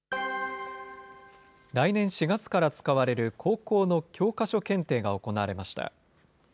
来年４月から使われる高校の教科書検定が行われました。